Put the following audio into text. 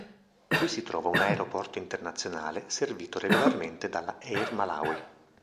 Qui si trova un aeroporto internazionale, servito regolarmente dalla Air Malawi.